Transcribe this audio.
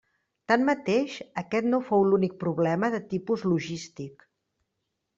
Tanmateix, aquest no fou l'únic problema de tipus «logístic».